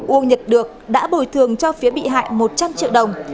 ua nhật được đã bồi thường cho phía bị hại một trăm linh triệu đồng